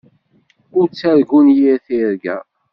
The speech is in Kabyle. Ur ttargun yir tirga.